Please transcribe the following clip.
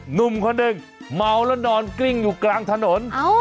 หนุ่มคนหนึ่งเมาแล้วนอนกลิ้งอยู่กลางถนน